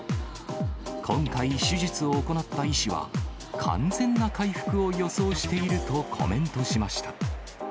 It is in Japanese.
今回、手術を行った医師は、完全な回復を予想しているとコメントしました。